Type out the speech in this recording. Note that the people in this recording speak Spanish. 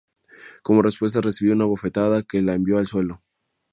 Como respuesta recibió una bofetada que la envió al suelo.